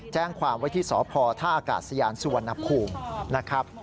แจ้งความไว้ที่สพธสยสวนภูมินะครับ